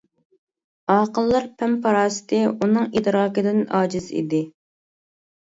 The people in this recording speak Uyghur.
ئاقىللار پەم-پاراسىتى ئۇنىڭ ئىدراكىدىن ئاجىز ئىدى.